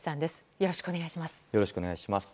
よろしくお願いします。